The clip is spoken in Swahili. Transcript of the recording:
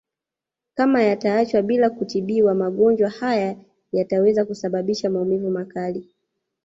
Kama yataachwa bila kutibiwa magonjwa hayo yanaweza kusababisha maumivu makali